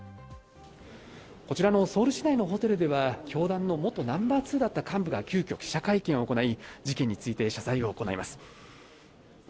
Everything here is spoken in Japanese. こちらのソウル市内のホテルでは教団の元ナンバー２だった幹部が急きょ記者会見を開き、事件について謝罪を行います。